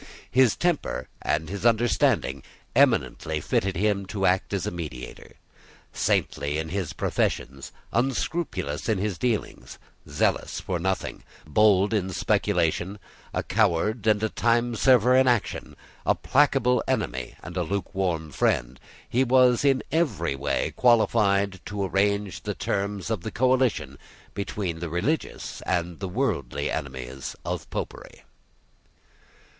His temper and his understanding, eminently fitted him to act as mediator. Saintly in his professions, unscrupulous in his dealings, zealous for nothing, bold in speculation, a coward and a timeserver in action, a placable enemy and a lukewarm friend, he was in every way qualified to arrange the terms of the coalition between the religious and the worldly enemies of Popery.